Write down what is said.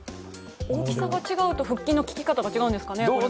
大きさが違うと、腹筋のききかたが違うんですかね。